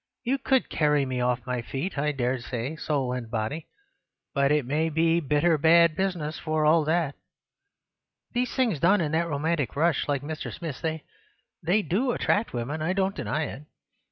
"You could carry me off my feet, I dare say, soul and body, but it may be bitter bad business for all that. These things done in that romantic rush, like Mr. Smith's, they— they do attract women, I don't deny it.